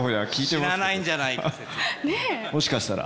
もしかしたら。